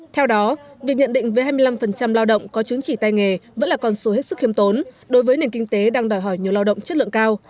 theo đó việc nhận định với hai mươi năm lao động có chứng chỉ tay nghề vẫn là con số hết sức khiêm tốn đối với nền kinh tế đang đòi hỏi nhiều lao động chất lượng cao